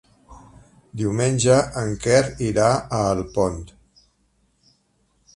Diumenge en Quer irà a Alpont.